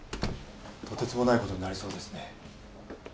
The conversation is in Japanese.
とてつもない事になりそうですね。